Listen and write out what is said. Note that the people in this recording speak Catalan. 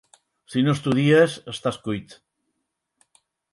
Si no estudies, estàs cuit!